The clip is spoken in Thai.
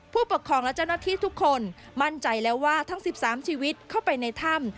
ผู้ปกครองและเจ้าหน้าที่ทุกคนมั่นใจแล้วว่าทั้ง๑๓ชีวิตเข้าไปในถ้ำ